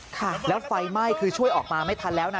ค่ะแล้วไฟไหม้คือช่วยออกมาไม่ทันแล้วนะ